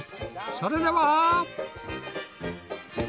それでは。